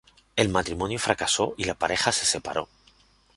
El matrimonio fracasó y la pareja se separó.